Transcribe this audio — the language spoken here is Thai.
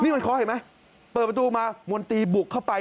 มันเคาะเห็นไหมเปิดประตูมามนตรีบุกเข้าไป